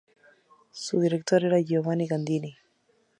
Su director era Giovanni Gandini.